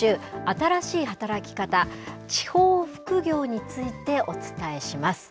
新しい働き方、地方副業についてお伝えします。